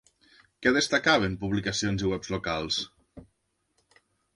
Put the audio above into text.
Què destacaven publicacions i webs locals?